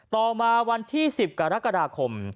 ต่อมาวันที่๑๐กรกฎาคม